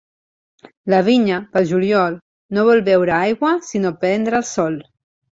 La vinya, pel juliol, no vol beure aigua, sinó prendre el sol.